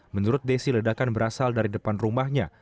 menurut desi ledakan berasal dari depan rumahnya